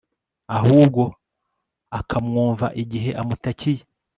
ahubwo akamwumva igihe amutakiye